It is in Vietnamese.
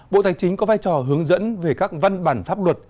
bộ tài chính có vai trò hướng dẫn về các văn bản pháp luật